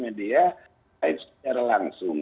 mas media secara langsung